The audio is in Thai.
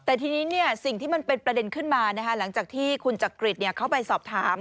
แต่ทีนี้สิ่งที่มันเป็นประเด็นขึ้นมาหลังจากที่คุณจักริตเข้าไปสอบถาม